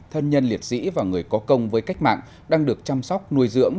thân nhân liệt sĩ và người có công với cách mạng đang được chăm sóc nuôi dưỡng